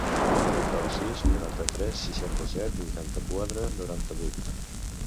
Truca al sis, noranta-tres, seixanta-set, vuitanta-quatre, noranta-vuit.